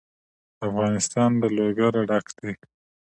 افغانستان له لوگر ډک دی.